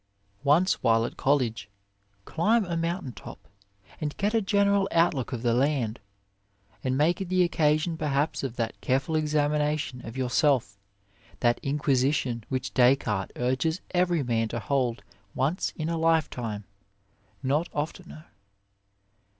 Once while at College climb a mountain top, and get a general outlook of the land, and make it the occasion perhaps of that careful examina tion of yourself, that inquisition which Descartes urges every 32 OF LIFE man to hold once in a lifetime, not oftener.